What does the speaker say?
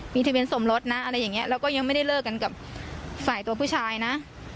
มีทะเบียนสมรสนะอะไรอย่างนี้แล้วก็ยังไม่ได้เลิกกันกับฝ่ายตัวผู้ชายนะ